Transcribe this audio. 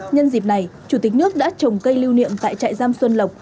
nhân dịp này chủ tịch nước đã trồng cây lưu niệm tại trại giam xuân lộc